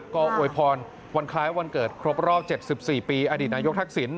ก็อวยพรวันคล้ายวันเกิดครบรอบ๗๔ปีอดีตนายกทักษิณ